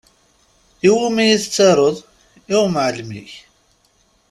I wumi i tettaruḍ? I wumɛalem-ik?